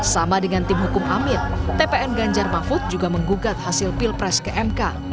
sama dengan tim hukum amin tpn ganjar mahfud juga menggugat hasil pilpres ke mk